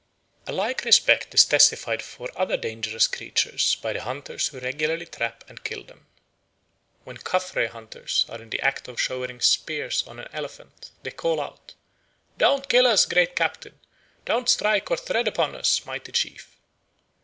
A like respect is testified for other dangerous creatures by the hunters who regularly trap and kill them. When Caffre hunters are in the act of showering spears on an elephant, they call out, "Don't kill us, great captain; don't strike or tread upon us, mighty chief."